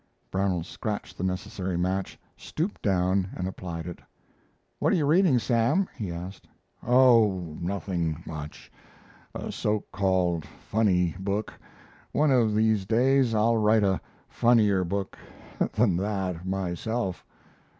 Brownell scratched the necessary match, stooped down, and applied it. "What are you reading, Sam?" he asked. "Oh, nothing much a so called funny book one of these days I'll write a funnier book than that, myself."